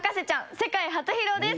世界初披露です。